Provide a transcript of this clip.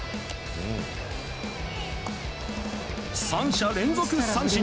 ３者連続三振。